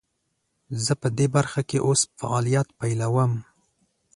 زه پدي برخه کې اوس فعالیت پیلوم.